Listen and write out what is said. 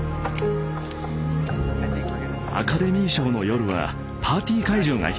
アカデミー賞の夜はパーティー会場が必要だと思った。